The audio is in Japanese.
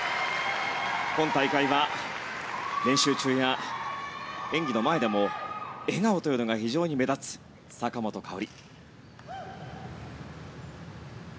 今大会は練習中や演技の前でも笑顔というのが非常に目立つ坂本花織。